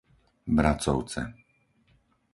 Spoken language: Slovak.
Bracovce